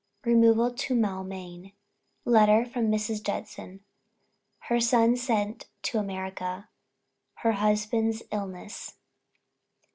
REMOVAL TO MAULMAIN. LETTER FROM MRS. JUDSON. HER SON SENT TO AMERICA. HER HUSBAND'S ILLNESS.